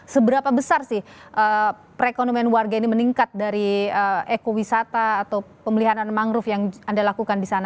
seberapa besar sih perekonomian warga ini meningkat dari ekowisata atau pemeliharaan mangrove yang anda lakukan di sana